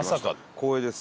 光栄です。